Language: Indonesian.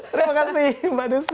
terima kasih mbak dusty